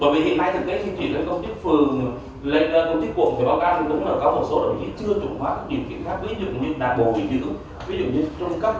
bởi vì hiện nay thực hiện chỉ là công chức phường lên công chức quận thì báo cáo cũng có một số đồng ý chưa chuẩn hóa các điều kiện khác